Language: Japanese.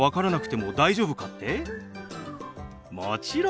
もちろん。